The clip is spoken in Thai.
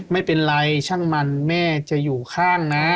ไม่เป็นไรช่างมันแม่จะอยู่ข้างนะ